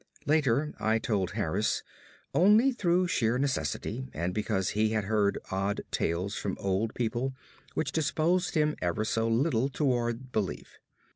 Later I told Harris only through sheer necessity, and because he had heard odd tales from old people which disposed him ever so little toward belief.